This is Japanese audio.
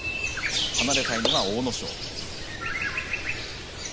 離れたいのが阿武咲。